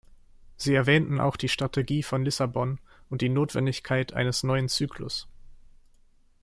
Sie erwähnten auch die Strategie von Lissabon und die Notwendigkeit eines neuen Zyklus.